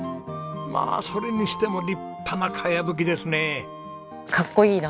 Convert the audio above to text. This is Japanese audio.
まあそれにしても立派な茅葺きですね！